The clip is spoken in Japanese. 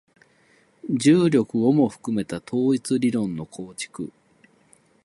重力をも含めた統一理論の構築